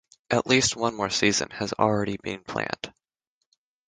At least one more season has already been planned.